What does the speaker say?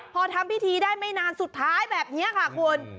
พอทำพิธีได้ไม่นานสุดท้ายแบบนี้ค่ะคุณ